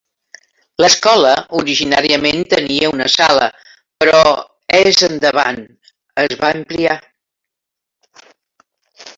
L'escola originalment tenia una sala, però és endavant es va ampliar.